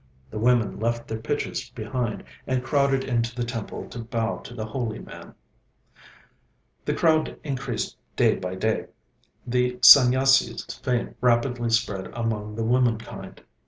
The women left their pitchers behind, and crowded into the temple to bow to the holy man. The crowd increased day by day. The Sanyasi's fame rapidly spread among the womenkind.